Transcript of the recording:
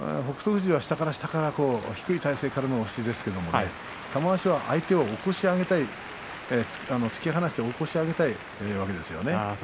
富士は下から下から低い体勢からの押しですけれど玉鷲は相手を起こし上げたい突き放して起こし上げたいわけですよね。